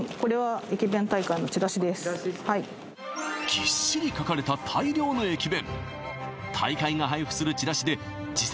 ぎっしり書かれた大量の駅弁。